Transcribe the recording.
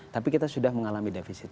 tapi kita sudah mengalami defisit